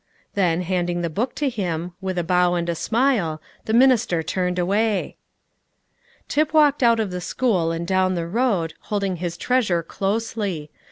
Then, handing the book to him, with a bow and smile, the minister turned away. Tip walked out of the school and down the road, holding his treasure closely.